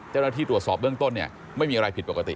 เจ้าหน้าที่ตรวจสอบเบื้องต้นเนี่ยไม่มีอะไรผิดปกติ